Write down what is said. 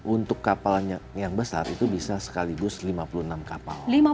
untuk kapal yang besar itu bisa sekaligus lima puluh enam kapal